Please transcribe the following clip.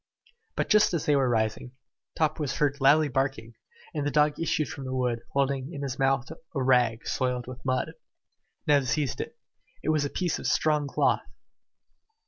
But just as they were rising, Top was heard loudly barking; and the dog issued from the wood, holding in his mouth a rag soiled with mud. Neb seized it. It was a piece of strong cloth!